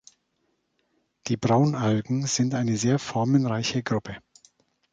Die Braunalgen sind eine sehr formenreiche Gruppe.